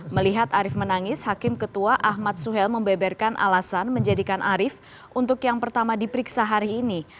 melihat arief menangis hakim ketua ahmad suhel membeberkan alasan menjadikan arief untuk yang pertama diperiksa hari ini